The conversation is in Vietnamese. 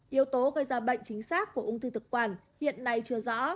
yếu tố gây ra bệnh chính xác của ung thư thực quản hiện nay chưa rõ